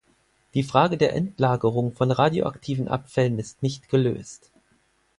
Die Frage der Endlagerung von radioaktiven Abfällen ist nicht gelöst.